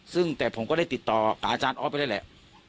ซึ่งแต่ผมก็ได้ติดต่อกับอาจารย์ออฟไปได้แหละ